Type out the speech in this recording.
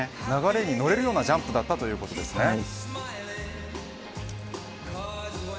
流れに乗れるようなジャンプだったということですね。